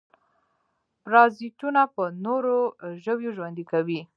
پرازیتونه په نورو ژویو ژوند کوي